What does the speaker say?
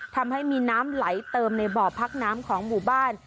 ทำให้มีน้ำไหลเติมในบ่อพักน้ำของหมู่บ้าน